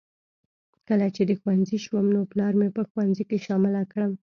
کله چې د ښوونځي شوم نو پلار مې په ښوونځي کې شامله کړم